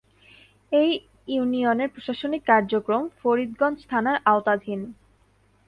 এ ইউনিয়নের প্রশাসনিক কার্যক্রম ফরিদগঞ্জ থানার আওতাধীন।